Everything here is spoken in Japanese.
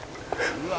「うわ」